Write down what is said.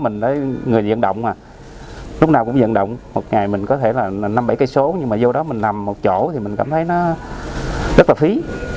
cái người diện động mà lúc nào cũng diện động một ngày mình có thể là năm bảy km nhưng mà vô đó mình nằm một chỗ thì mình cảm thấy nó rất là phí